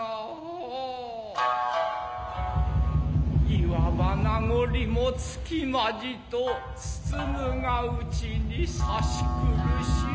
言わば名残もつきまじと包むがうちにさしくる汐